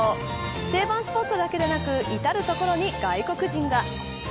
定番スポットだけではなく至る所に外国人が。